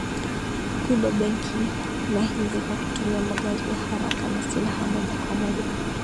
kuiba benki na hivyo kwa kutumia magari ya haraka na silaha moja kwa moja